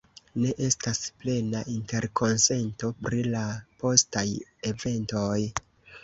Ne estas plena interkonsento pri la postaj eventoj.